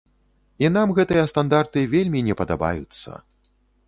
І нам гэтыя стандарты вельмі не падабаюцца.